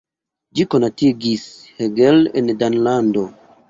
Ĝi konatigis Hegel en Danlando.